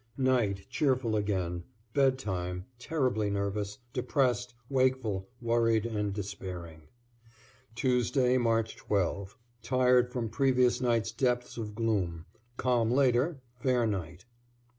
Night, cheerful again; bedtime, terribly nervous, depressed, wakeful, worried and despairing. Tuesday, March 12 Tired from previous night's depths of gloom; calm later, fair night.